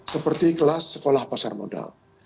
seperti kelas sekolah pasar modal